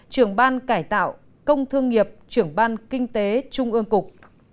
trưởng ban cải tạo công thương nghiệp trưởng ban kinh tế trung ương cục